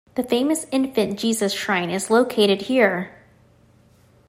The famous Infant Jesus Shrine is located here.